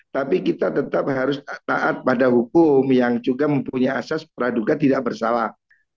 tapi kita tetap harus taat pada hukum yang juga mempunyai asas peraduga tidak bersalah